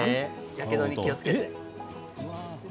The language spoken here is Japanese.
やけどに気をつけて。